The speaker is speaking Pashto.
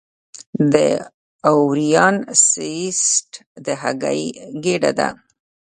د اووریان سیسټ د هګۍ ګېډه ده.